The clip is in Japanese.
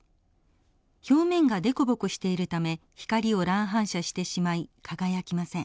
表面が凸凹しているため光を乱反射してしまい輝きません。